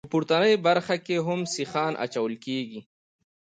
په پورتنۍ برخه کې هم سیخان اچول کیږي